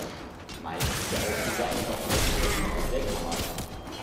Meist ist der Auslöser ein Knopf rechts oben auf der Kamera.